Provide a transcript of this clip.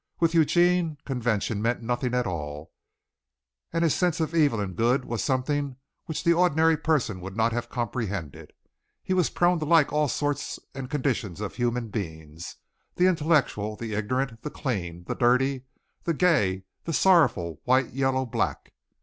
With Eugene convention meant nothing at all, and his sense of evil and good was something which the ordinary person would not have comprehended. He was prone to like all sorts and conditions of human beings the intellectual, the ignorant, the clean, the dirty, the gay, the sorrowful, white, yellow, black.